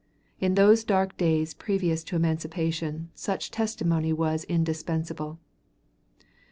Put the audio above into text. In those dark days previous to emancipation, such testimony was indispensable.